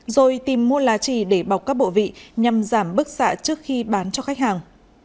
rồi tìm mua lá trì để bọc các bộ vị nhằm giảm bức xạ trước khi bán cho khách hàng